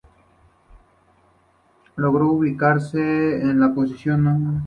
Logró ubicarse en la posición No.